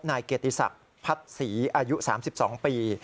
นายเกียรติศักดิ์พัดศรีอายุ๓๒ปี